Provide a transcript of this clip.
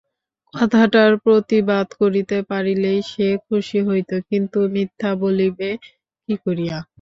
কথাটার প্রতিবাদ করিতে পারিলেই সে খুশি হইত, কিন্তু মিথ্যা বলিবে কী করিয়া?